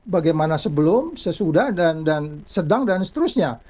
bagaimana sebelum sesudah dan sedang dan seterusnya